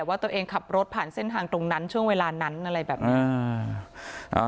ว่าตัวเองขับรถผ่านเส้นทางตรงนั้นช่วงเวลานั้นอะไรแบบนี้